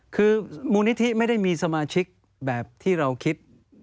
คือมูลนิธิไม่ได้มีสมาชิกแบบที่เราคิด